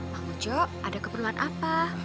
pak mu jo ada keperluan apa